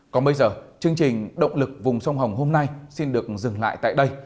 còn bây giờ chương trình động lực vùng sông hồng hôm nay xin được dừng lại tại đây